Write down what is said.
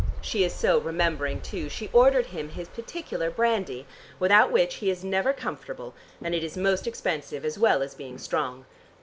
She is so remembering, too: she ordered him his particular brandy, without which he is never comfortable, and it is most expensive, as well as being strong.